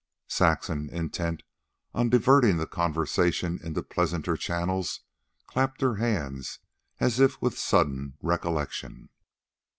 Saxon, intent on diverting the conversation into pleasanter channels, clapped her hands as if with sudden recollection.